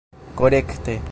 korekte